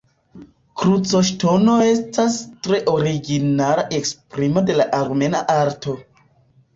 Krucoŝtono estas tre originala esprimo de la armena arto.